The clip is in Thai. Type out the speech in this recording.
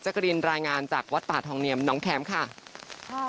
กรินรายงานจากวัดป่าทองเนียมน้องแคมป์ค่ะ